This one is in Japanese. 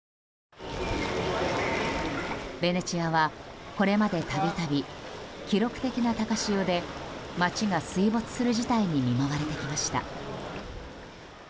ベネチアは、これまでたびたび記録的な高潮で街が水没する事態に見舞われてきました。